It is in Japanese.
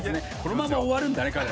このまま終わるんだね。